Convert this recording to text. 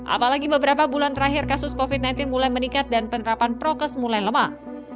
apalagi beberapa bulan terakhir kasus covid sembilan belas mulai meningkat dan penerapan prokes mulai lemah